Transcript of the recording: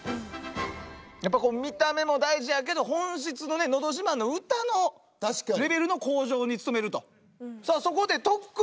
やっぱ見た目も大事やけど本質のね「のど自慢」の歌のレベルの向上に努めると。